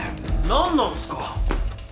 何なんすか。